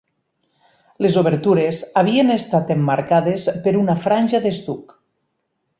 Les obertures havien estat emmarcades per una franja d'estuc.